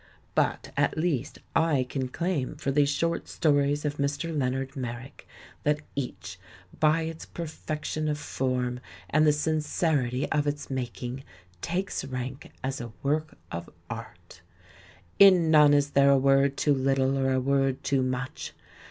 But, at least, I can claim for these short stories of Mr. Leonard IMerrick, that each, by its perfection of form and the sincerity of its making, takes rank as a work of art. In none is there a word too little or a word too much.